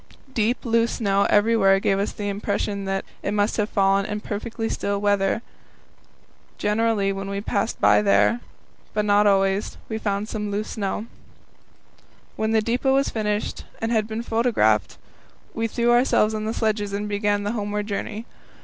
Deep, loose snow every where gave us the impression that it must have fallen in perfectly still weather. Generally when we passed by here but not always we found this loose snow. When the depot was finished and had been photographed, we threw ourselves on the sledges and began the homeward journey.